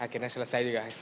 akhirnya selesai juga